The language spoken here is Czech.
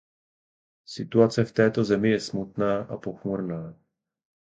Situace v této zemi je smutná a pochmurná.